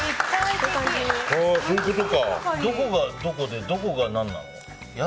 どこがどこで、どこが何なの？